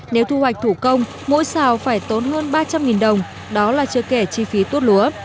nếu thu hoạch thủ công mỗi xào phải tốn hơn ba trăm linh đồng đó là chưa kể chi phí tuốt lúa